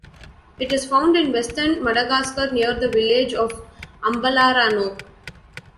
It is found in Western Madagascar, near the village of Ambalarano.